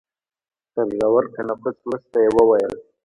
تر ژور تنفس وروسته يې وويل.